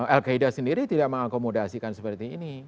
al qaeda sendiri tidak mengakomodasikan seperti ini